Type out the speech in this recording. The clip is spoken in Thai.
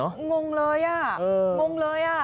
งงเลยอ่ะงงเลยอ่ะ